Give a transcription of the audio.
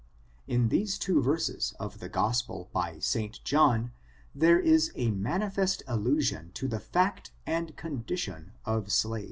In these two verses of the Gospel by St. John, there is •manifest allusion to the /oc^ and condition of slaves.